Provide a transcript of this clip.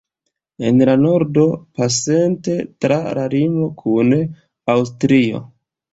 En la nordo, pasante tra la limo kun Aŭstrio.